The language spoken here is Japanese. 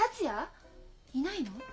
いないの？